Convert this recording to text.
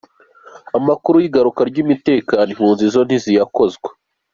Amakuru y’igaruka ry’umutekano impunzi zo ntiziyakozwa.